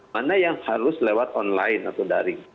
mana yang harus lewat online atau daring